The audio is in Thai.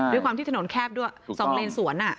ด้วยความที่ถนนแคบด้วย๒เลนสวน